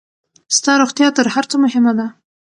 ستا روغتيا تر هر څۀ مهمه ده.